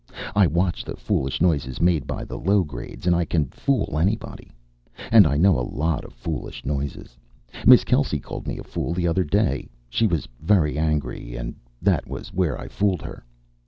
I watch the foolish noises made by the low grades, and I can fool anybody. And I know a lot of foolish noises. Miss Kelsey called me a fool the other day. She was very angry, and that was where I fooled her.